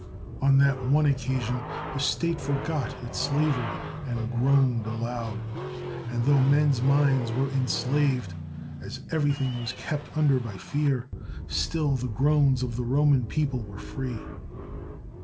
On that one occasion the state forgot its slavery, and groaned aloud; and tho men's minds were enslaved, as everything was kept under by fear, still the groans of the Roman people were free.